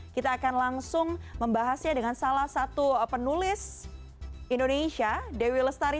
kita akan langsung membahasnya dengan salah satu penulis indonesia dewi lestari